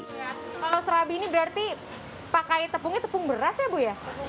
kalau serabi ini berarti pakai tepungnya tepung beras ya bu ya